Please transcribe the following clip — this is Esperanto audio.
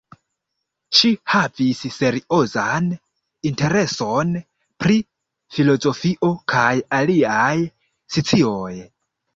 Ŝi havis seriozan intereson pri filozofio kaj aliaj scioj.